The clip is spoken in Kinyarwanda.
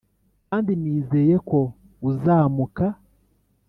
kandi nizeye ko uzamuka.